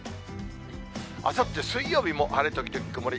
あさって水曜日も晴れ時々曇り。